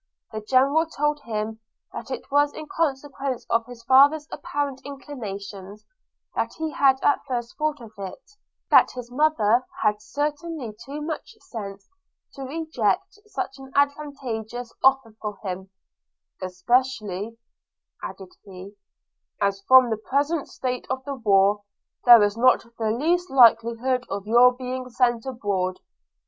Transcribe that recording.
The General told him, that it was in consequence of his father's apparent inclinations that he had at first thought of it; that his mother had certainly too much sense to reject such an advantageous offer for him, 'especially' , added he, 'as from the present state of the war, there is not the least likelihood of your being sent abroad.